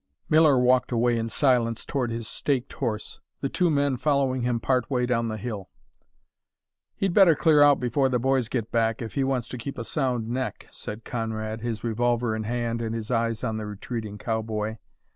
Miller walked away in silence toward his staked horse, the two men following him part way down the hill. "He'd better clear out before the boys get back, if he wants to keep a sound neck," said Conrad, his revolver in hand and his eyes on the retreating cowboy.